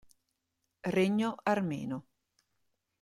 Regno armeno